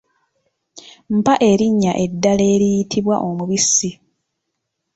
Mpa erinnya eddala eriyitibwa omubisi?